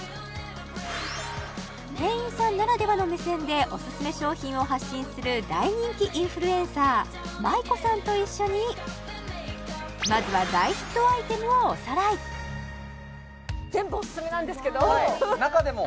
店員さんならではの目線でオススメ商品を発信する大人気インフルエンサーＭａｉｋｏさんと一緒にまずは大ヒットアイテムをおさらい全部オススメなんですけどはい中でも？